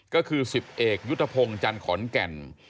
ก็คือ๑๐เอกยุทธพงศ์จันทร์ขอนแก่น